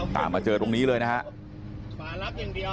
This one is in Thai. ตามมาเจอตรงนี้เลยนะฮะ